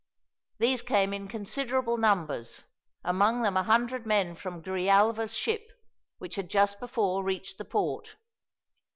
These came in in considerable numbers, among them a hundred men from Grijalva's ship, which had just before reached the port.